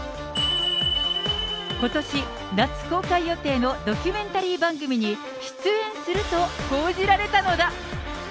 ことし夏公開予定のドキュメンタリー番組に出演すると報じられたのだ。